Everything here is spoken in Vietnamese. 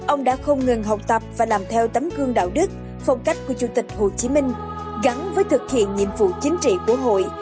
ông đã không ngừng học tập và làm theo tấm gương đạo đức phong cách của chủ tịch hồ chí minh gắn với thực hiện nhiệm vụ chính trị của hội